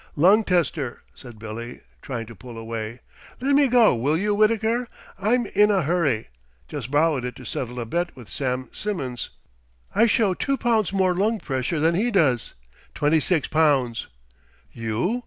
"Lung tester," said Billy, trying to pull away. "Let me go, will you, Wittaker? I'm in a hurry. Just borrowed it to settle a bet with Sam Simmons. I show two pounds more lung pressure than he does. Twenty six pounds." "You?"